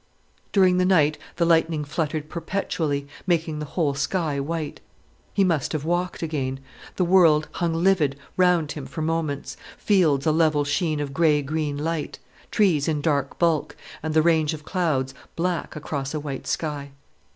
During the night the lightning fluttered perpetually, making the whole sky white. He must have walked again. The world hung livid round him for moments, fields a level sheen of grey green light, trees in dark bulk, and the range of clouds black across a white sky.